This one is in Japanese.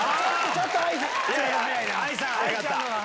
ちょっとＡＩさん。